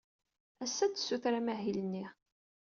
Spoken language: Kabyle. Ass-a, ad tessuter amahil-nni.